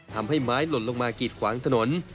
ทำให้ไม้หล่นลงมากีดขวางถนน